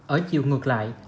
ở chiều ngược lại